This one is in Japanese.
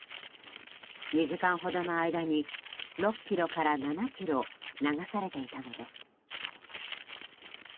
２時間ほどの間に６ｋｍから７ｋｍ流されていたのです。